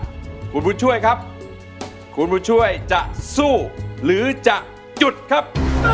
แล้วคุณผู้ช่วยครับคุณผู้ช่วยจะสู้หรือจะหยุดครับ